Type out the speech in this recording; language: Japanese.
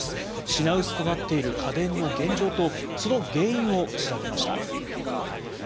品薄となっている家電の現状と、その原因を調べました。